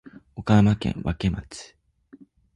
岡山県和気町